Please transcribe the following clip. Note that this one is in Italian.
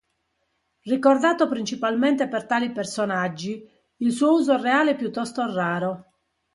Ricordato principalmente per tali personaggi, il suo uso reale è piuttosto raro.